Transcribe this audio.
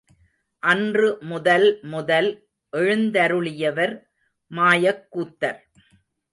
அன்று முதல் முதல் எழுந்தருளியவர் மாயக் கூத்தர்.